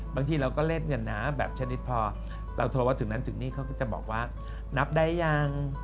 บางทีเราก็แลกเงินนะแบบชนิดพอเราโทรว่าถึงนั้นถึงนี่เขาก็จะบอกว่านับได้ยัง